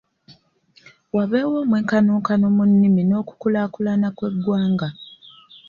Wabeewo omwenkanonkano mu nnimi n'okukulaakulana kw'eggwanga.